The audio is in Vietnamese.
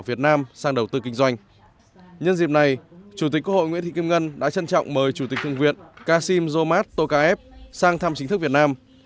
và đã trân trọng mời chủ tịch thượng viện kasim zomad tokaev sang thăm chính thức việt nam